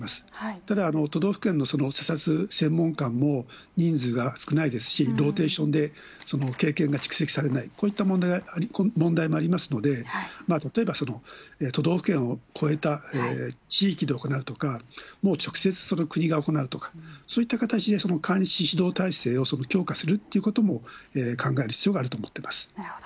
ただ、都道府県の査察専門官も人数が少ないですし、ローテーションで経験が蓄積されない、こういった問題もありますので、例えば、都道府県をこえた地域で行うとか、もう直接国が行うとか、そういった形で、管理指導体制を強化するということも考える必要があると思ってまなるほど。